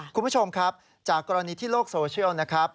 คุณผู้ชมครับจากกรณีที่โลกโซเชียลนะครับ